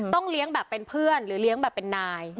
เลี้ยงแบบเป็นเพื่อนหรือเลี้ยงแบบเป็นนาย